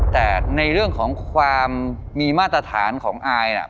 แต่ในเรื่องของความมีมาตรฐานของอายน่ะ